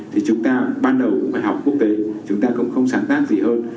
thì chúng ta ban đầu cũng phải học quốc tế chúng ta không sáng tác gì hơn